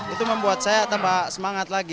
itu membuat saya tambah semangat lagi